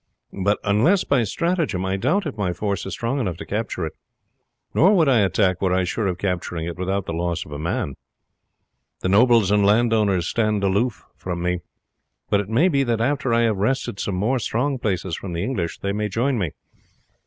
But unless by stratagem, I doubt if my force is strong enough to capture it; nor would I attack were I sure of capturing it without the loss of a man. The nobles and landowners stand aloof from me; but it may be that after I have wrested some more strong places from the English, they may join me.